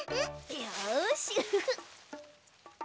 よしウフフ。